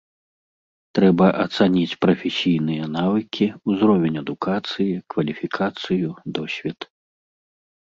Трэба ацаніць прафесійныя навыкі, узровень адукацыі, кваліфікацыю, досвед.